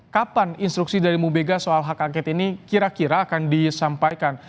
kapan instruksi dari ibu mega soal hak angket ini kira kira akan disampaikan